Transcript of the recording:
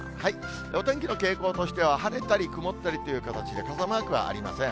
お天気の傾向としては、晴れたり曇ったりという形で、傘マークはありません。